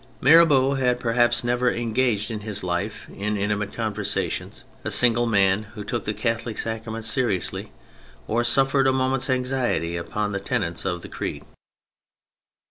Mirabeau had perhaps never engaged in his life in intimate conversation a single man who took the Catholic sacraments seriously, or suffered a moment's anxiety upon the tenets of the creed.